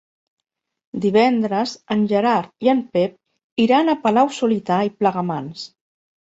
Divendres en Gerard i en Pep iran a Palau-solità i Plegamans.